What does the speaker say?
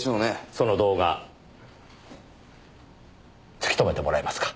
その動画つきとめてもらえますか？